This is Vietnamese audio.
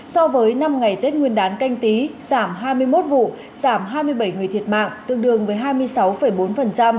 so với năm ngày tết nguyên đán canh tí giảm hai mươi một vụ giảm hai mươi bảy người thiệt mạng tương đương với hai mươi sáu bốn